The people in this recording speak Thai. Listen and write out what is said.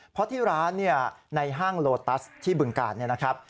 เพราะที่ร้านในห้างโลตัสที่บึงกาลเนี่ยนะครับ